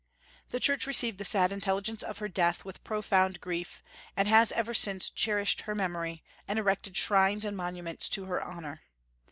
The Church received the sad intelligence of her death with profound grief, and has ever since cherished her memory, and erected shrines and monuments to her honor.